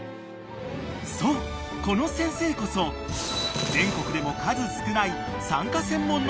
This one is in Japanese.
［そうこの先生こそ全国でも数少ない］